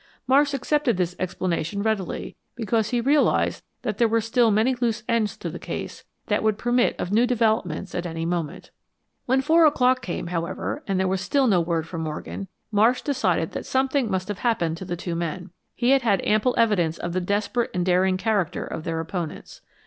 Marsh accepted this explanation readily, because he realized that there were still many loose ends to the case that would permit of new developments at any moment. When four o'clock came, however, and there was still no word from Morgan, Marsh decided that something must have happened to the two men. He had had ample evidence of the desperate and daring character of their opponents.